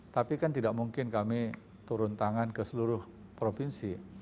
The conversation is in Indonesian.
tapi kan tidak mungkin kami turun tangan ke seluruh provinsi